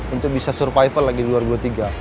untuk bisa survival lagi dua ribu dua puluh tiga